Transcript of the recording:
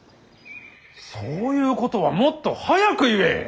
そういうことはもっと早く言え！